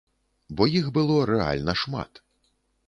Бо іх было рэальна шмат.